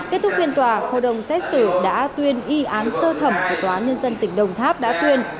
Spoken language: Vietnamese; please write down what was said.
kết thúc phiên tòa hội đồng xét xử đã tuyên y án sơ thẩm của tòa án nhân dân tỉnh đồng tháp đã tuyên